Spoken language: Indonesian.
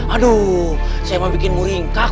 aduh saya mau bikinmu ringkah